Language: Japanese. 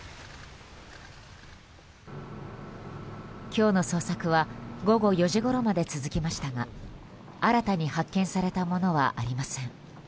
今日の捜索は午後４時ごろまで続きましたが新たに発見されたものはありません。